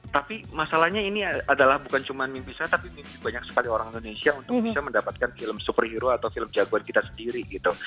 tapi masalahnya ini adalah bukan cuma mimpi saya tapi mimpi banyak sekali orang indonesia untuk bisa mendapatkan film superhero atau film jagoan kita sendiri gitu